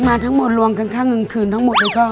พิมมาทั้งหมดร่วงกันข้างเงินคืนทั้งหมดเลยก็